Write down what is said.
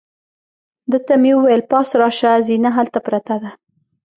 ده ته مې وویل: پاس راشه، زینه هلته پرته ده.